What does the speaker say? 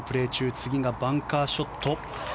次がバンカーショット。